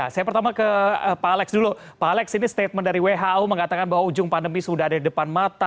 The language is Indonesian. saya pertama ke pak alex dulu pak alex ini statement dari who mengatakan bahwa ujung pandemi sudah ada di depan mata